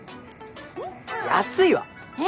安いわ！え？